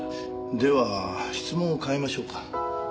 では質問を変えましょうか。